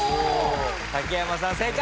竹山さん正解！